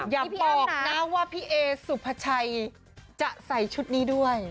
อย่าบอกนะว่าพี่เอสุภาชัยจะใส่ชุดนี้ด้วย